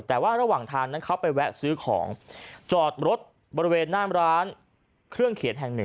แต่ว่าระหวังทานเขาไปแวะซื้อของจอดรถภรรณ์ของน้ำร้านเครื่องเขียนแห่ง๑